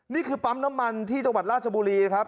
นี่คือปั๊มน้ำมันที่จังหวัดราชบุรีนะครับ